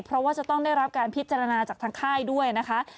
เพราะว่าจะต้องได้รับการพิจารณาจากทางค่ายด้วยนะคะ